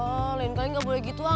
oh lain kali gak boleh gitu ah